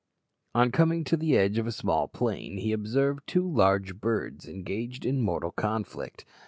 On coming to the edge of a small plain he observed two large birds engaged in mortal conflict.